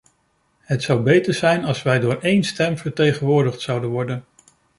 Het zou beter zijn als wij door één stem vertegenwoordigd zouden worden.